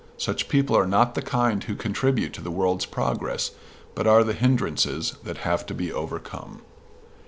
Such people are not the kind who contribute to the world's progress, but are the hindrances that have to be overcome.